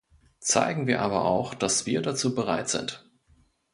Zeigen wir aber auch, dass wir dazu bereit sind.